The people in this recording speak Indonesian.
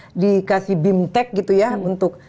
gak ada pendidikan atau dikasih bimtek gitu ya untuk